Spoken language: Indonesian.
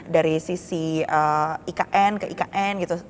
dari sisi ikn ke ikn gitu